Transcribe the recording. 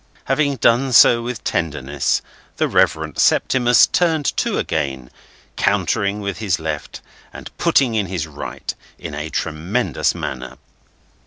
Having done so with tenderness, the Reverend Septimus turned to again, countering with his left, and putting in his right, in a tremendous manner.